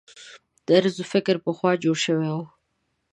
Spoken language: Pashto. طرز فکر پخوا جوړ شوي وو.